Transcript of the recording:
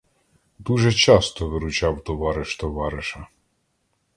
Дуже часто виручав товариш — товариша.